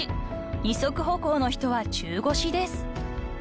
［二足歩行の人は中腰です］